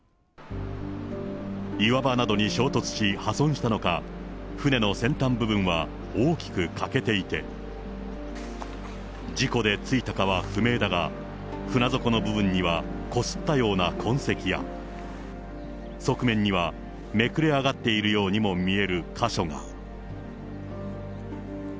岩場などに衝突し、破損したのか、船の先端部分は大きく欠けていて、事故でついたかは不明だが、船底の部分にはこすったような痕跡や、側面には、めくれ上がっているようにも見える箇所が。